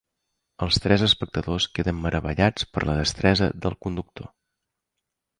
Els tres espectadors queden meravellats per la destresa del conductor.